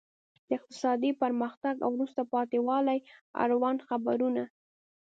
د اقتصادي پرمختګ او وروسته پاتې والي اړوند خبرونه.